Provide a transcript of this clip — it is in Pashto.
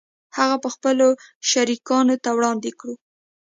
هغه به خپلو شریکانو ته وړاندې کړو